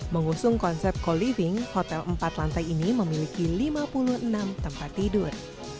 mengusung konsep co living hotel empat lantai ini memiliki lima puluh enam tempat tidur